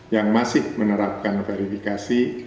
yang masih menerapkan verifikasi